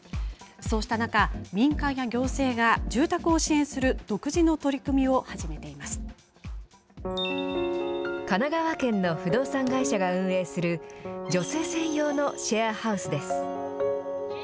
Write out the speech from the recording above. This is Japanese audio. そうした中、民間や行政が住宅を支援する独自の取り組みを始めて神奈川県の不動産会社が運営する、女性専用のシェアハウスです。